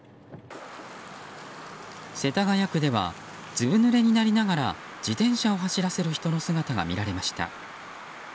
世田谷区ではずぶぬれになりながら自転車を走らせる人の姿が見られました。